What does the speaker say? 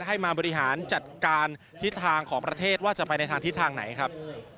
ให้มาบริหารจัดการทิศทางของประเทศว่าจะไปในทางทิศทางไหนครับ